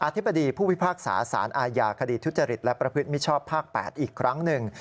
ธิบดีผู้พิพากษาสารอาญาคดีทุจริตและประพฤติมิชชอบภาค๘อีกครั้งหนึ่ง